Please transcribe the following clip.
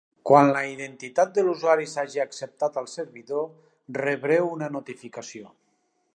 Quan la identitat de l'usuari s'hagi acceptat al servidor, rebreu una notificació.